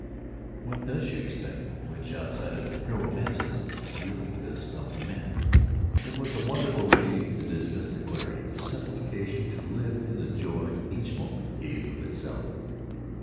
What does she expect?" which, outside of pure minded romances, really does come to men. It was a wonderful relief to dismiss the query; a simplification to live in the joy each moment gave of itself.